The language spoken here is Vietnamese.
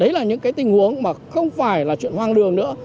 đấy là những cái tình huống mà không phải là chuyện hoang đường nữa